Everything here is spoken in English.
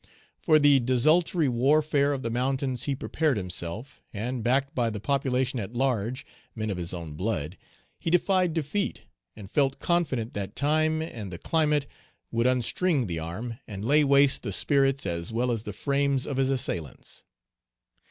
For the desultory warfare of the mountains he prepared himself, and, backed by the population at large, men of his own blood, he defied defeat, and felt confident that time and the climate would unstring the arm, and lay waste the spirits as well as the frames of his assailants.